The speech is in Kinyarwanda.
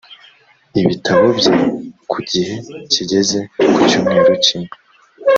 ibitabo bye ku gihe kigeze ku cyumweru kimwe